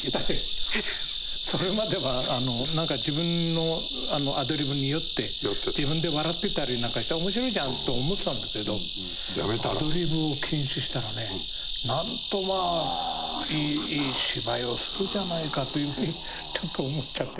それまでは自分のアドリブに酔って自分で笑ってたりして面白いじゃんと思ってたんだけどアドリブを禁止したらね何とまあいい芝居をするじゃないかというふうにちょっと思っちゃって。